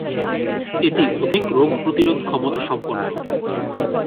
এটি অধিক রোগ প্রতিরোধ ক্ষমতা সম্পন্ন।